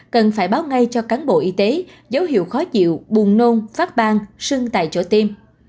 cần phải báo ngay cho cán bộ y tế dấu hiệu khó chịu buồn nôn phát bang sưng tại chỗ tiêm